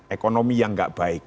ekonomi yang gak baik